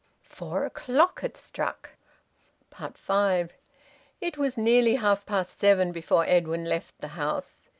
Four o'clock had struck. FIVE. It was nearly half past seven before Edwin left the house.